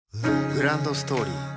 グランドストーリー